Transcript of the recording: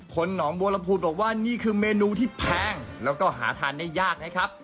หนองบัวลำพูบอกว่านี่คือเมนูที่แพงแล้วก็หาทานได้ยากนะครับ